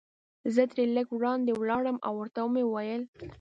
زه ترې لږ وړاندې ولاړم او ورته مې وویل.